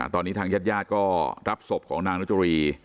ตอนนี้ทางญาติญาติก็รับศพของนางนุจรี